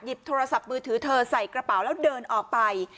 โทรศัพท์มือถือเธอใส่กระเป๋าแล้วเดินออกไป